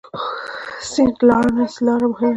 سینټ لارنس لاره مهمه ده.